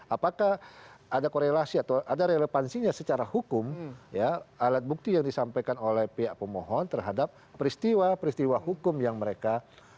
apakah ada korelasi atau ada relevansinya secara hukum alat bukti yang disampaikan oleh pihak pemohon terhadap peristiwa peristiwa hukum yang mereka